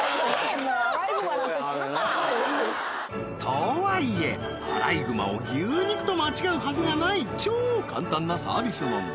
もうとはいえアライグマを牛肉と間違うはずがない超簡単なサービス問題